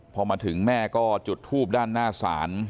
พอมาถึงแม่ก็จุดทูบด้านหน้าศาล